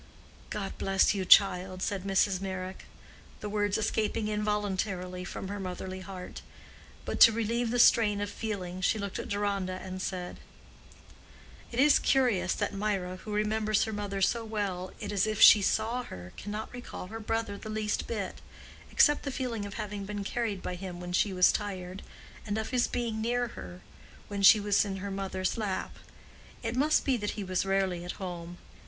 "God bless you, child!" said Mrs. Meyrick, the words escaping involuntarily from her motherly heart. But to relieve the strain of feeling she looked at Deronda and said, "It is curious that Mirah, who remembers her mother so well it is as if she saw her, cannot recall her brother the least bit—except the feeling of having been carried by him when she was tired, and of his being near her when she was in her mother's lap. It must be that he was rarely at home.